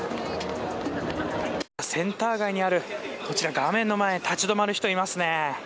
センター街にあるこちら画面の前立ち止まる人、いますね。